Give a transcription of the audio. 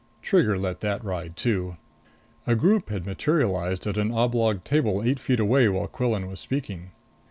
Trigger let that ride too. A group had materialized at an oblong table eight feet away while Quillan was speaking.